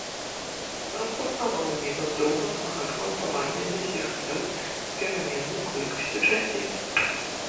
Распрацаваў метад другаснага квантавання для сістэм з пераменнай колькасцю часціц.